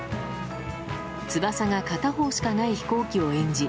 翼が片方しかない飛行機を演じ